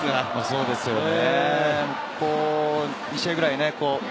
そうですね。